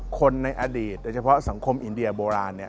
คนในอดีตโดยเฉพาะสังคมอินเดียโบราณเนี่ย